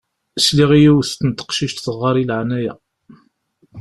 Sliɣ i yiwet n teqcict teɣɣar i leεnaya.